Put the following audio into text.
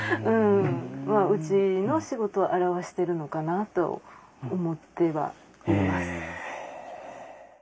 まあうちの仕事を表しているのかなと思ってはいます。